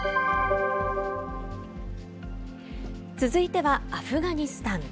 続いてはアフガニスタン。